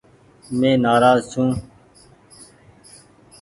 مين نآراز ڇون ۔